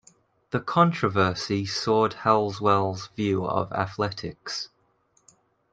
The controversy soured Halswelle's view of athletics.